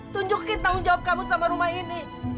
tunjukin tanggung jawab kamu sama rumah ini